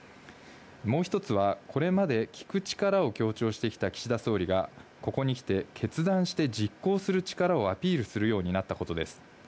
もう１つは、これまで聞く力を強調してきた岸田総理が、ここに来て、決断して実行する力をアピールするようになったことです。